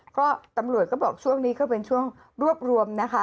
ก็ตำรวจบอกช่วงนี้เป็นรวบรวม